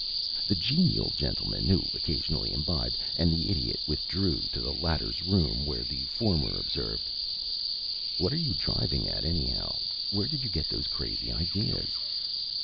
The genial gentleman who occasionally imbibed and the Idiot withdrew to the latter's room, where the former observed: "What are you driving at, anyhow? Where did you get those crazy ideas?"